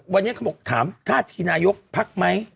วันนี้ก็ถามถ้าทีนายกพักไหม